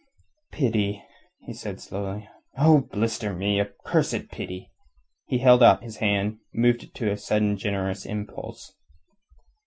"A pity," he said slowly. "Oh, blister me a cursed pity!" He held out his hand, moved to it on a sudden generous impulse.